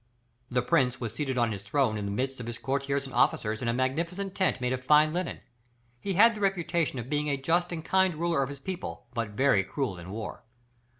The prince was seated on his throne in the midst of his courtiers and officers in a magnificent tent made of fine linen. He had the reputation of being a just and kind ruler of his people, but very cruel in war.